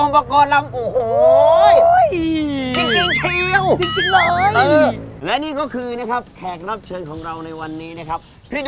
เป็นยังไงบ้างครับวันนี้ครับ